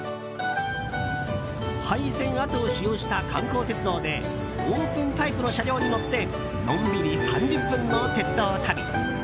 廃線跡を使用した観光鉄道でオープンタイプの車両に乗ってのんびり３０分の鉄道旅。